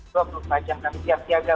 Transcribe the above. banyak banyak yang tidak bersiap siaga